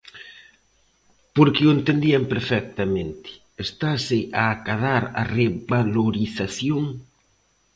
Porque o entendían perfectamente Estase a acadar a revalorización?